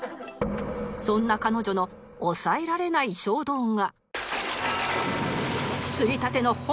そんな彼女の抑えられない衝動が